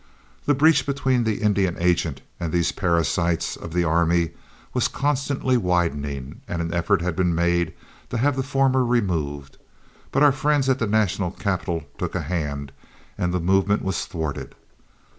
The breach between the Indian agent and these parasites of the army was constantly widening, and an effort had been made to have the former removed, but our friends at the national capital took a hand, and the movement was thwarted.